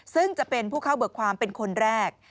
ซึ่งจะเป็นผู้เข้าเบิกความเป็นคนแรก